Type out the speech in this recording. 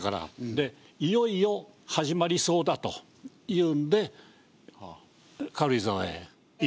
でいよいよ始まりそうだというんで軽井沢へ移動して。